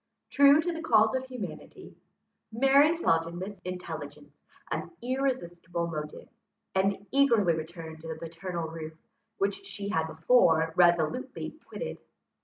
True to the calls of humanity, Mary felt in this intelligence an irresistible motive, and eagerly returned to the paternal roof, which she had before resolutely quitted.